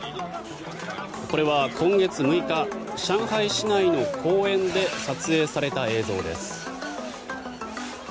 これは今月６日上海市内の公園で撮影された映像です。